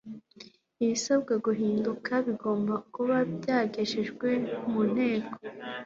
ibisabwa guhinduka bigomba kuba byagejejwe mu nteko